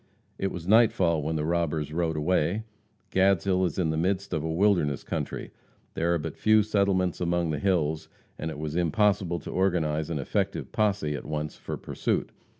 It was nightfall when the robbers rode away. Gadshill is in the midst of a wilderness country. There are but few settlements among the hills, and it was impossible to organize an effective posse at once for pursuit.